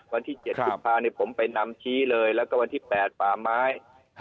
วันที่๗กุมภาผมไปนำชี้เลยแล้วก็วันที่๘ป่าไม้